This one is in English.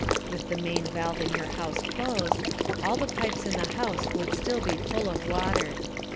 With the main valve in your house closed, all the pipes in the house would still be full of water.